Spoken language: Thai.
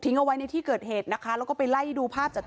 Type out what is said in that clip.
เอาไว้ในที่เกิดเหตุนะคะแล้วก็ไปไล่ดูภาพจาก